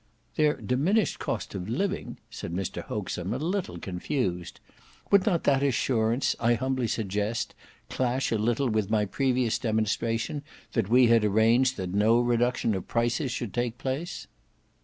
"Their diminished cost of living!" said Mr Hoaxem a little confused. "Would not that assurance, I humbly suggest, clash a little with my previous demonstration that we had arranged that no reduction of prices should take place?"